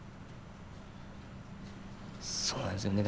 そうなんですよね。